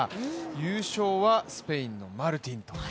優勝はスペインのマルティンと。